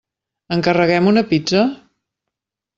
Encarreguem una pizza?